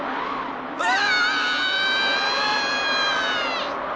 うわ！